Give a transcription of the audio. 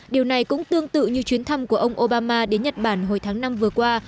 điều này cũng tương tự như chuyến thăm của ông obama đến nhật bản hồi tháng năm vừa qua